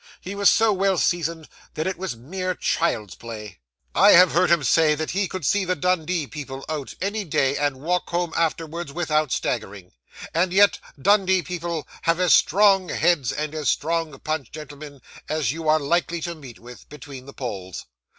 He was so well seasoned, that it was mere child's play. I have heard him say that he could see the Dundee people out, any day, and walk home afterwards without staggering; and yet the Dundee people have as strong heads and as strong punch, gentlemen, as you are likely to meet with, between the poles.